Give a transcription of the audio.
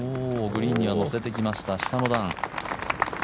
グリーンには乗せてきました、下の段。